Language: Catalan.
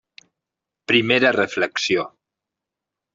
Primera reflexió.